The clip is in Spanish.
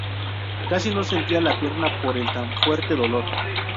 Casi no sentía la pierna por el tan fuerte dolor.